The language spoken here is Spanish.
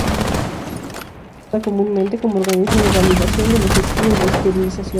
Es usada comúnmente como organismo de validación en los estudios de esterilización.